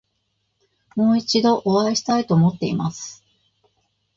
もう一度お会いしたいと思っています。